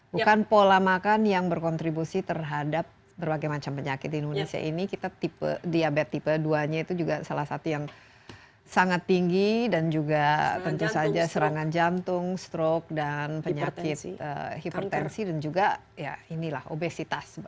bukan pola makan yang berkontribusi terhadap berbagai macam penyakit di indonesia ini kita tipe diabetes tipe dua nya itu juga salah satu yang sangat tinggi dan juga tentu saja serangan jantung stroke dan penyakit hipertensi dan juga ya inilah obesitas